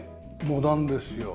モダンですよ。